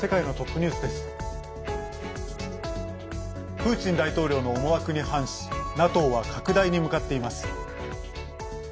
プーチン大統領の思惑に反しＮＡＴＯは拡大に向かっています。